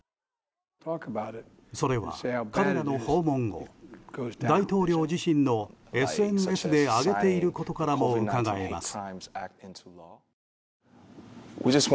それは彼らの訪問を大統領自身のＳＮＳで上げていることなどからもうかがえます。